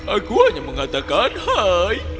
aku hanya mengatakan hai